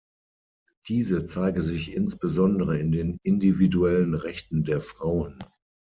Diese zeige sich insbesondere in den individuellen Rechten der Frauen.